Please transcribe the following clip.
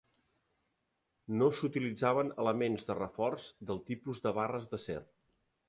No s'utilitzaven elements de reforç del tipus de barres d'acer.